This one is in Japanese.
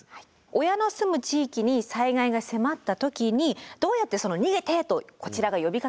親の住む地域に災害が迫った時にどうやって「逃げて！」とこちらが呼びかけたらいいのか。